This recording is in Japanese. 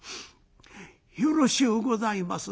よろしゅうございます。